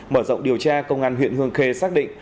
mở rộng điều tra công an huyện hương khê xác định